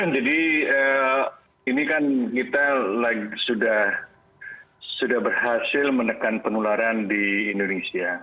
jadi ini kan kita sudah berhasil menekan penularan di indonesia